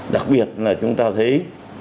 đặc biệt là chúng ta thấy